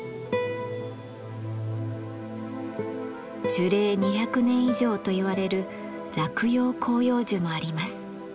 樹齢２００年以上といわれる落葉広葉樹もあります。